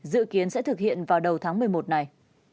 dự kiến sẽ thực hiện vào đầu tháng một mươi một này